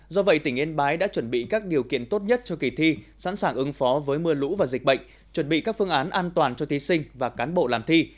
do vậy tỉnh yên bái đã chuẩn bị các điều kiện tốt nhất cho kỳ thi sẵn sàng ứng phó với mưa lũ và dịch bệnh chuẩn bị các phương án an toàn cho thí sinh và cán bộ làm thi